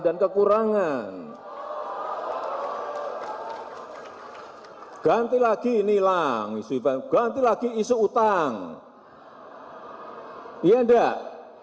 dan kekurangan ganti lagi ini langis juga ganti lagi isu utang ia ndak